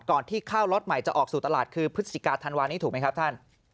ที่ข้าวล็อตใหม่จะออกสู่ตลาดคือพฤศจิกาธันวานี้ถูกไหมครับท่าน